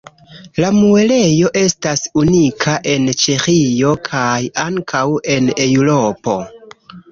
La muelejo estas unika en Ĉeĥio kaj ankaŭ en Eŭropo.